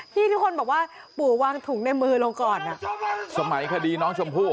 ที่ทุกคนบอกว่าปู่วางถุงในมือลงก่อนอ่ะสมัยคดีน้องชมพู่